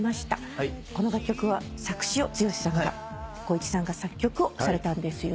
この楽曲は作詞を剛さんが光一さんが作曲をされたんですよね？